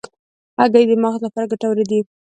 هګۍ د مغز لپاره ګټوره ده.